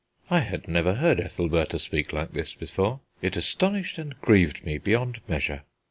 I had never heard Ethelbertha speak like this before; it astonished and grieved me beyond measure.